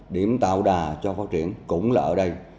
điểm tạo đà cho phát triển cũng là ở đây